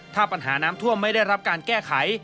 ถ้าปัญหาน้ำท่วมไม่ได้รับการแก้ไข